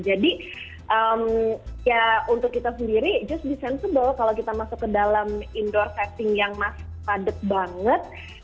jadi ya untuk kita sendiri just be sensible kalau kita masuk ke dalam indoor setting yang padat banget